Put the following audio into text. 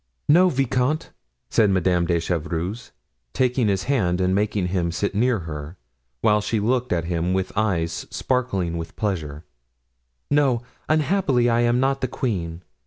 "No, vicomte," said Madame de Chevreuse, taking his hand and making him sit near her, while she looked at him with eyes sparkling with pleasure; "no, unhappily, I am not the queen.